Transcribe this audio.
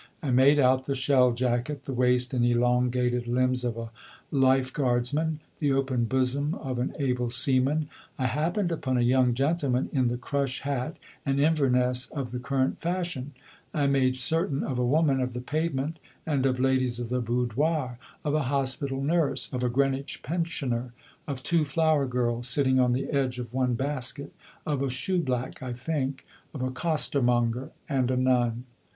I made out the shell jacket, the waist and elongated limbs of a life guardsman, the open bosom of an able seaman. I happened upon a young gentleman in the crush hat and Inverness of the current fashion; I made certain of a woman of the pavement and of ladies of the boudoir, of a hospital nurse, of a Greenwich pensioner, of two flower girls sitting on the edge of one basket, of a shoeblack (I think), of a costermonger, and a nun.